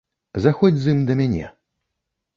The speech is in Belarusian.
Заходзь з ім да мяне.